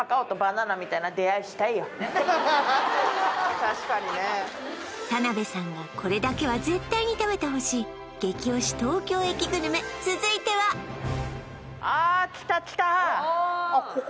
確かにね田辺さんがこれだけは絶対に食べてほしい激推し東京駅グルメ続いてはああきたきたああここ？